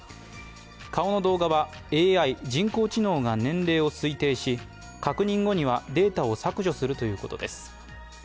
顔の動画はＡＩ＝人工知能が年齢を推定し確認後にはデータを削除するということです。